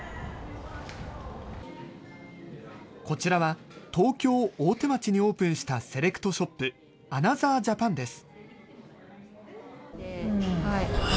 こちらは東京・大手町にオープンしたセレクトショップ、アナザージャパンです。